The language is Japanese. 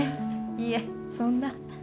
いえそんな。